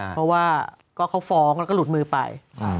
เพราะว่าก็เขาฟ้องแล้วก็หลุดมือไป